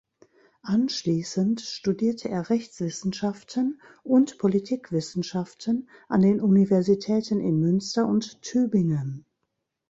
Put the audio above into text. Anschließend studierte er Rechtswissenschaften und Politikwissenschaften an den Universitäten in Münster und Tübingen.